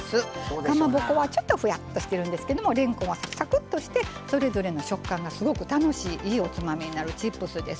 かまぼこはちょっとふやっとしているんですけどれんこんは、サクサクしていてそれぞれの食感が、すごく楽しいいいおつまみになるチップスです。